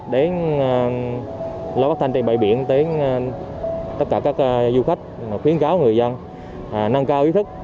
đến lối phát thanh trên bãi biển đến tất cả các du khách khuyến cáo người dân nâng cao ý thức